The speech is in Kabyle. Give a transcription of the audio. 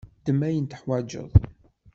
Ddem ayen tuḥwaǧeḍ.